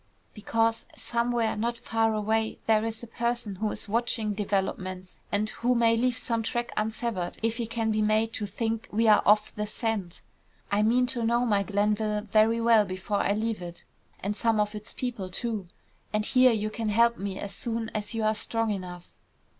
"Because, somewhere, not far away, there is a person who is watching developments, and who may leave some track unsevered if he can be made to think we are off the scent. I mean to know my Glenville very well before I leave it, and some of its people too. And here you can help me as soon as you are strong enough."